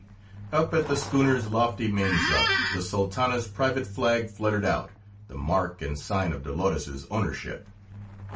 Up at the schooner's lofty main truck the Sultana's private flag fluttered out; the mark and sign of Dolores's ownership.